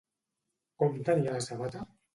Com tenia la sabata?